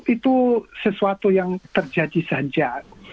itu sesuatu yang terjadi saja